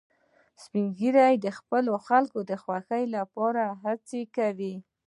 سپین ږیری د خپلو خلکو د خوښۍ لپاره هڅې کوي